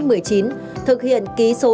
thực hiện ký số xác nhận hộ chiếu vaccine